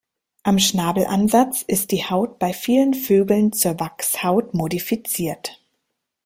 Am Schnabelansatz ist die Haut bei vielen Vögeln zur Wachshaut modifiziert.